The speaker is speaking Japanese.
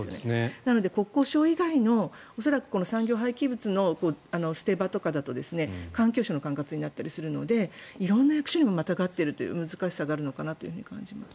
だから国交省以外の産業廃棄物の捨て場だと環境省の管轄になったりするので色んな役所にまたがっているという難しさもあるのかなと思います。